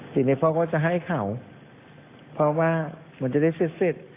สิ่งใดพ่อก็จะให้เขาเพราะว่ามันจะได้เซ็ดเซ็ด